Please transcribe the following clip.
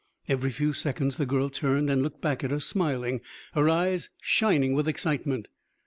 Every few seconds the girl turned and looked back at us, smiling, her eyes shining with excitement.